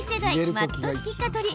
マット式蚊取り。